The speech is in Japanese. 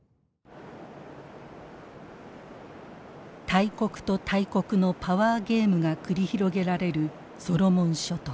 大国と大国のパワーゲームが繰り広げられるソロモン諸島。